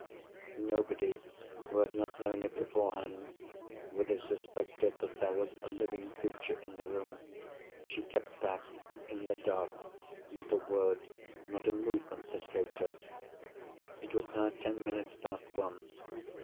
Nobody who had not known it beforehand would have suspected that there was a living creature in the room. She kept back, in the dark: not a word, not a movement escaped her. It was now ten minutes past one.